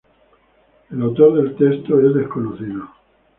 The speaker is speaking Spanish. El autor del texto es desconocido.